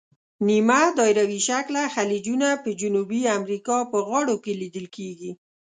نیمه دایروي شکله خلیجونه په جنوبي امریکا په غاړو کې لیدل کیږي.